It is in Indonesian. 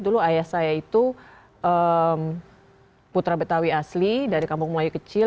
dulu ayah saya itu putra betawi asli dari kampung melayu kecil